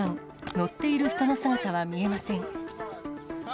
乗っている人の姿は見えません。